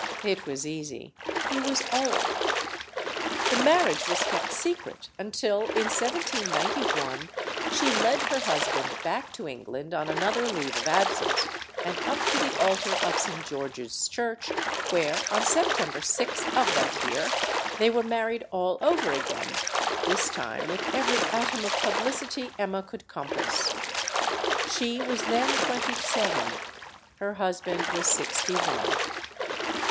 It was easy. He was old. The marriage was kept secret until, in 1/91, she led her husband back to England on another leave of ab sence and up to the altar of St. George's Church, where, on September 6th of that year, they were married all over again; this time with every atom of publicity Emma could compass. She was then twenty seven ; her husband was sixty one.